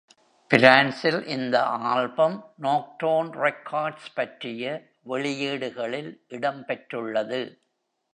பிரான்சில் இந்த album Nocturne Records பற்றிய வெளியீடுகளில் இடம்பெற்றுள்ளது.